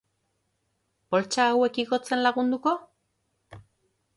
Poltsa hauek igotzen lagunduko?